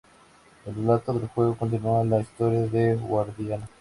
El relato del juego continúa la historia de Guardiana.